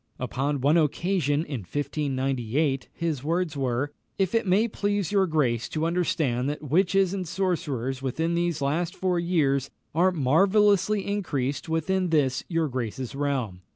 Upon one occasion, in 1598, his words were, "It may please your grace to understand that witches and sorcerers within these last four years are marvellously increased within this your grace's realm.